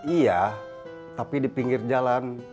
iya tapi di pinggir jalan